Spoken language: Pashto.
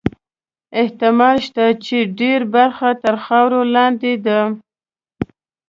احتمال شته چې ډېره برخه تر خاورو لاندې ده.